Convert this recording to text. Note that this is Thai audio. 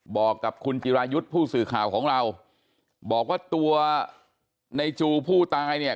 บอกกับคุณจิรายุทธ์ผู้สื่อข่าวของเราบอกว่าตัวในจูผู้ตายเนี่ย